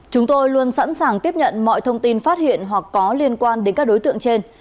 chúng tôi luôn sẵn sàng tiếp nhận mọi thông tin phát hiện hoặc có liên quan đến các đối tượng trên